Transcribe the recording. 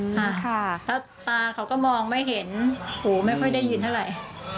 ค่ะแล้วตาเขาก็มองไม่เห็นหูไม่ค่อยได้ยินเท่าไหร่